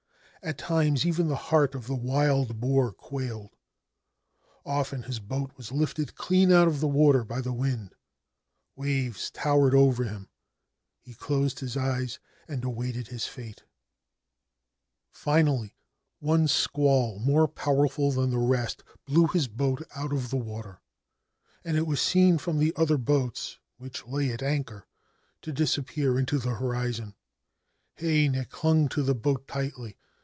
At times even the heart of the Wild Boar quailed. Often his boat was lifted clean out of the water by the wind ; waves towered over him ; he closed his eyes and awaited his fate. 121 16 Ancient Tales and Folklore of Japan Finally, one squall more powerful than the rest blew his boat out of the water, and it was seen from the other boats (which lay at anchor) to disappear into the horizon. Heinei clung to the boat tightly.